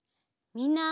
みんな。